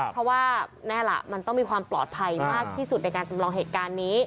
เพราะว่าแน่ล่ะมันต้องมีความปลอดภัยมากที่สุดในการจำลองเหตุการณ์นี้